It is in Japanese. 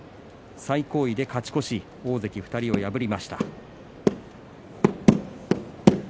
最高位で勝ち越し大関２人を破りました。